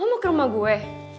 kamu mau ke rumah gue